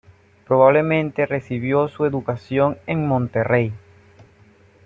Probablemente recibió su educación en Monterrey.